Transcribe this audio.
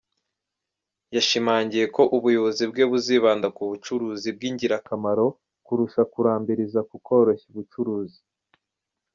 Yashimangiye ko ubuyobozi bwe buzibanda ku bucuruzi bw’ingirakamaro, kurusha kurambiriza ku koroshya ubucuruzi.